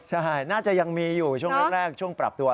ใช่น่าจะยังมีอยู่ช่วงแรกช่วงปรับตัว